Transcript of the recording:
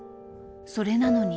それなのに。